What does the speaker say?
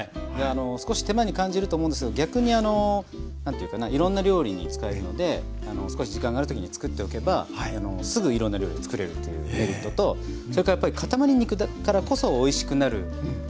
少し手間に感じると思うんですけど逆に何ていうかないろんな料理に使えるので少し時間がある時に作っておけばすぐいろんな料理作れるというメリットとそれからやっぱりかたまり肉だからこそおいしくなる調理法っていっぱいあるじゃないですか。